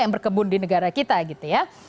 yang berkebun di negara kita gitu ya